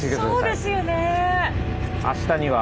そうですよね。